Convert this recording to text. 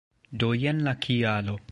Do jen la kialo!